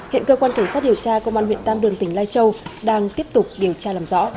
hiện cơ quan cảnh sát điều tra công an huyện tam đường tỉnh lai châu đang tiếp tục điều tra làm rõ